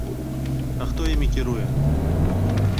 А хто імі кіруе?